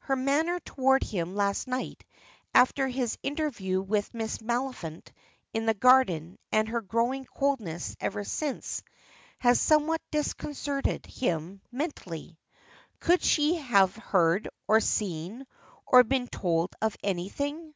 Her manner toward him last night after his interview with Miss Maliphant in the garden and her growing coldness ever since, has somewhat disconcerted, him mentally. Could she have heard, or seen, or been told of anything?